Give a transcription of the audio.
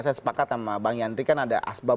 saya sepakat sama bang yandri kan ada asbab